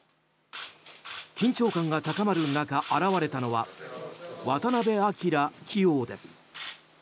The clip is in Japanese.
緊張感が高まる中、現れたのは渡辺明棋王です。